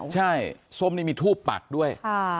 ใช่ส้มนี่มีทูบปักด้วย